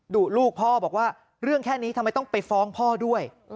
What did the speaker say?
ดุลูกพ่อบอกว่าเรื่องแค่นี้ทำไมต้องไปฟ้องพ่อด้วย